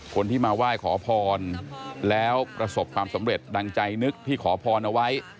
คนที่มาไหว้ขอพรแล้วประสบความสำเร็จดังใจนึกที่ขอพรเอาไว้